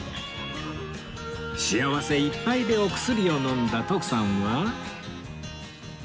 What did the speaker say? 幸せいっぱいでお薬を飲んだ徳さんは